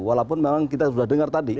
walaupun memang kita sudah dengar tadi